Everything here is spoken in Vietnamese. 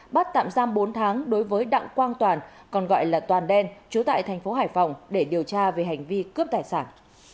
bắt tạm giam bốn tháng đối với đặng quang toàn còn gọi là toàn đen chú tại tp hải phòng để điều tra về hành vi cướp tài sản